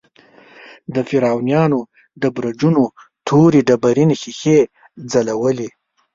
د فرعونیانو د برجونو تورې ډبرینې ښیښې ځلولې.